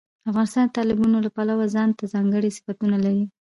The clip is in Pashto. افغانستان د تالابونو له پلوه ځانته ځانګړي صفتونه لري.